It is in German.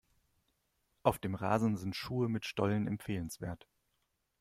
Auf dem Rasen sind Schuhe mit Stollen empfehlenswert.